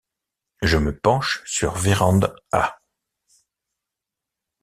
Je me penche sur Vérand'a.